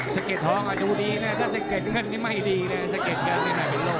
สะเก็ดทองอะยู้ดีแหนะถ้าสะเก็ดเงินนี่ไม่ดีแหนะ